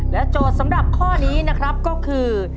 โจทย์สำหรับข้อนี้นะครับก็คือ